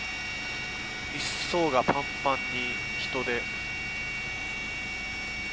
１艘がパンパンに人で。